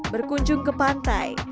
berkunjung ke pantai